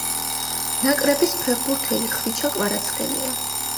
ნაკრების ფეხბურთელი ხვიჩა კვარაცხელია